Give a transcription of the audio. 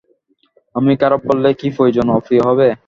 আমি খারাপ বললেই কি প্রিয়জন অপ্রিয় হবে?